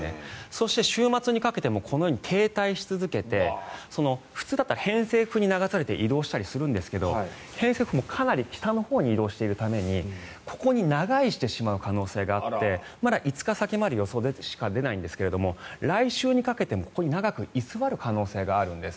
そして、週末にかけてもこのように停滞し続けて普通だったら偏西風に流されて移動したりするんですが偏西風もかなり北のほうに移動しているためにここに長居してしまう可能性があってまだ５日先までしか予想が出ないんですが来週にかけてもここに長く居座る可能性があるんです。